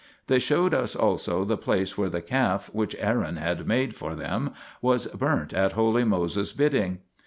They showed us also the place where the calf which Aaron had made for them was burnt at holy Moses' bidding.